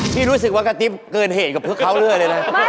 พี่รู้สึกว่ากระติ๊บเกินเหตุกับเขาเลยนะ